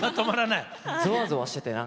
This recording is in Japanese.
ぞわぞわしてて。